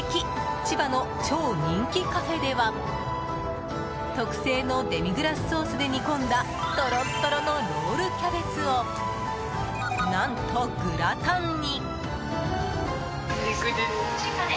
千葉の超人気カフェでは特製のデミグラスソースで煮込んだとろっとろのロールキャベツを何とグラタンに。